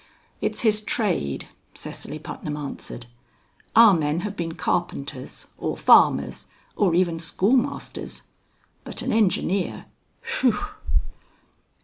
"It's his trade," Cecily Putnam answered. "Our men have been carpenters, or farmers, or even schoolmasters. But an engineer. Phui!"